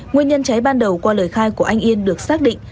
nguyên nhân cháy ban đầu qua lời khai của anh yên được xác định